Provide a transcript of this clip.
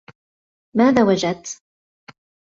ماذا وجدت؟